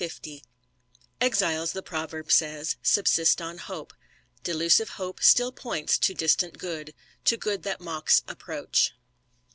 Exiles, the proverb says, subsist on hope, Delusive hope still points to distant good. To good that mocks approach."